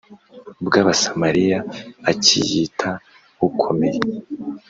bw Abasamariya akiyita ukomeye